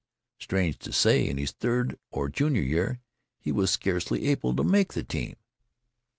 Strange to say, in his third or junior year he was scarcely able to "make" the team.